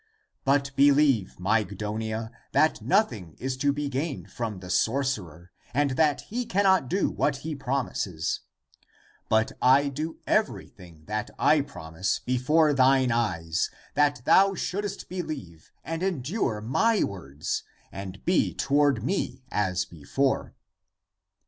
But be ACTS OF THOMAS 327 licve, Mygdonia, that nothing is to be gained from the sorcerer, and that he cannot do what he prom ises. But I do everything that I promise before thine eyes, that thou shouldest beheve and endure my words and be toward me as before."